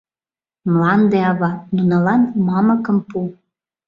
Мланде Ава, нунылан мамыкым пу!